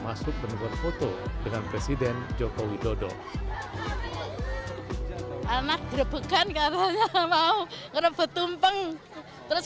masuk berfoto dengan presiden joko widodo anak berebekan katanya mau rebet tumpeng terus